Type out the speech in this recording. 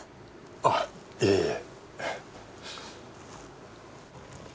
あっいえいええぇ。